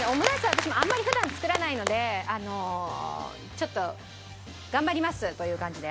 私もあんまり普段作らないのであのちょっと頑張りますという感じで。